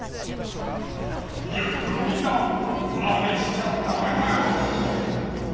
よい子のみんなは真似しちゃダメだよ。